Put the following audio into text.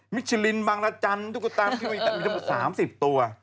มิชลินบางละจันทร์ทุกก็ตามมีทั้งหมด๓๐ตัว